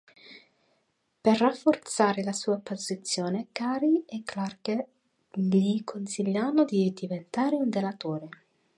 Per rafforzare la sua posizione Cary e Clarke gli consigliano di diventare un delatore.